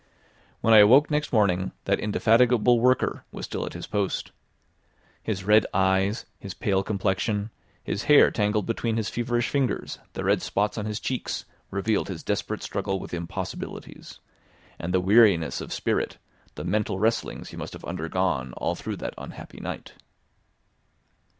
When I awoke next morning that indefatigable worker was still at his post. His red eyes, his pale complexion, his hair tangled between his feverish fingers, the red spots on his cheeks, revealed his desperate struggle with impossibilities, and the weariness of spirit, the mental wrestlings he must have undergone all through that unhappy night.